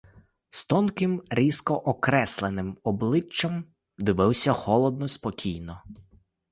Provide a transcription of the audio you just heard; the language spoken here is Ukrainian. З тонким, різко окресленим обличчям, дивився холодно, спокійно.